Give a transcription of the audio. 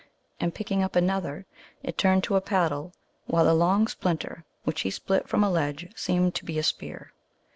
And picking up another, it turned to a paddle, while a long splinter which he split from a ledge seemed to be a spear.